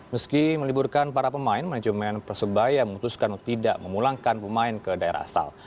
meski meliburkan para pemain manajemen persebaya memutuskan untuk tidak memulangkan pemain ke daerah asal